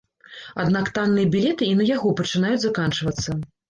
Аднак танныя білеты і на яго пачынаюць заканчвацца.